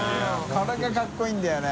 これがかっこいいんだよね。